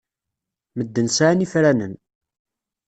Medden sɛan ifranen.